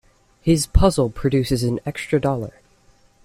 His puzzle produces an extra dollar.